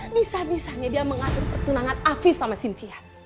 bisa bisanya dia mengatur pertunangan afif sama cynthia